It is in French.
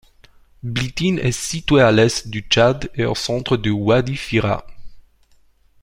Blitine est située à l'est du Tchad et au centre du Wadi Fira.